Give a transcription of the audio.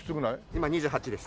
今２８です。